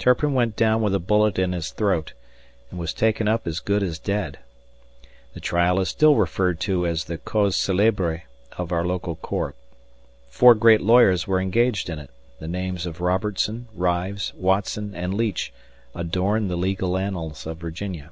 Turpin went down with a bullet in his throat, and was taken up as good as dead. ... The trial is still referred to as the cause célèbre in our local court. Four great lawyers were engaged in it: the names of Robertson, Rives, Watson, and Leach adorn the legal annals of Virginia."